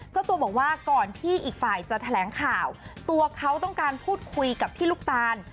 เจ้าตัวบอกว่าก่อนที่อีกฝ่ายจะแถลงข่าวตัวเขาต้องการพูดคุยกับพี่ลูกตาล